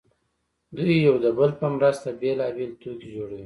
دوی یو د بل په مرسته بېلابېل توکي جوړوي